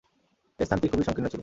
এ স্থানটি খুবই সংকীর্ণ ছিল।